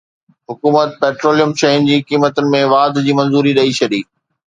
حڪومت پيٽروليم شين جي قيمتن ۾ واڌ جي منظوري ڏئي ڇڏي